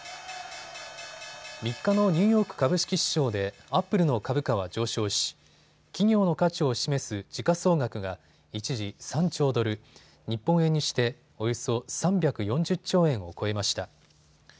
３日のニューヨーク株式市場でアップルの株価は上昇し企業の価値を示す時価総額が一時、３兆ドル、日本円にしておよそ３４０兆円を超えました。